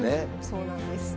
そうなんです。